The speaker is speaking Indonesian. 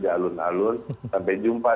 di alun alun sampai jumpa